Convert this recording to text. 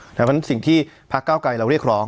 เพราะฉะนั้นสิ่งที่พระเก้าไกรเราเรียกร้อง